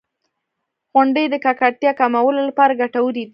• غونډۍ د ککړتیا کمولو لپاره ګټورې دي.